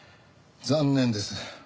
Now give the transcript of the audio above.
残念です。